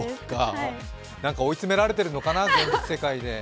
何か追い詰められているのかな、現実世界で。